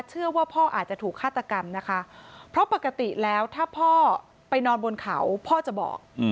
เชื่อว่าพ่ออาจจะถูกฆาตกรรมนะคะเพราะปกติแล้วถ้าพ่อไปนอนบนเขาพ่อจะบอก